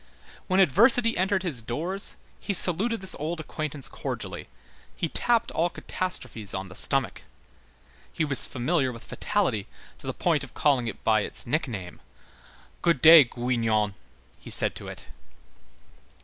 When adversity entered his doors, he saluted this old acquaintance cordially, he tapped all catastrophes on the stomach; he was familiar with fatality to the point of calling it by its nickname: "Good day, Guignon," he said to it.